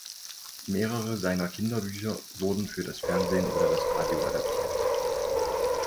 Mehrere seiner Kinderbücher wurden für das Fernsehen oder das Radio adaptiert.